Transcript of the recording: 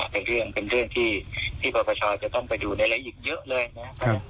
เป็นเรื่องที่ปรปชจะต้องไปดูในรายละเอียดเยอะเลยนะครับ